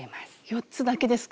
４つだけですか？